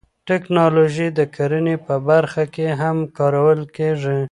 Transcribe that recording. تکنالوژي د کرنې په برخه کې هم کارول کیږي.